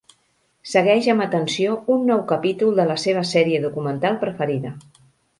Segueix amb atenció un nou capítol de la seva sèrie documental preferida.